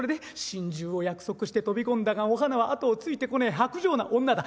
「『心中を約束して飛び込んだがお花は後をついてこねえ薄情な女だ。